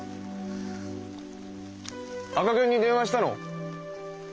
赤ゲンに電話したの？